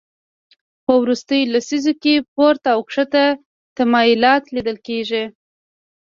په وروستیو لسیزو کې پورته او کښته تمایلات لیدل کېږي